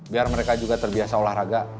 biar mereka juga terbiasa olahraga